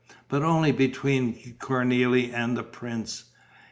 But only between Cornélie and the prince.